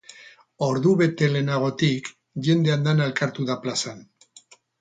Ordubete lehenagotik, jende andana elkartu da plazan.